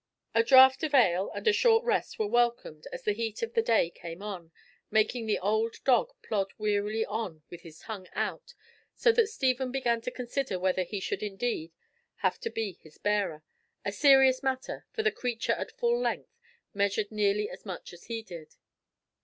A draught of ale and a short rest were welcome as the heat of the day came on, making the old dog plod wearily on with his tongue out, so that Stephen began to consider whether he should indeed have to be his bearer—a serious matter, for the creature at full length measured nearly as much as he did.